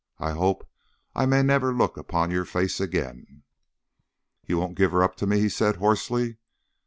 I hope I may never look upon your face again." "You won't give her up to me?" he said hoarsely.